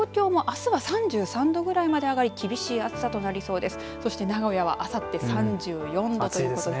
西日本では３０度以上また、東京もあすは３３度ぐらいまで上がり厳しい暑さとなりそうです。